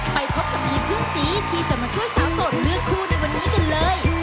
ไปพบกับทีมเพื่อนสีที่จะมาช่วยสาวโสดเลือกคู่ในวันนี้กันเลย